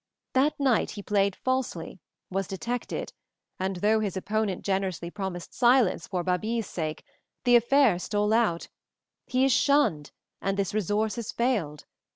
That night he played falsely, was detected, and though his opponent generously promised silence for Babie's sake, the affair stole out he is shunned and this resource has failed.